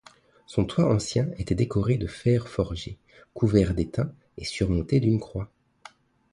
Son toit ancien était décoré de fer forgé, couvert d'étain et surmonté d'une croix.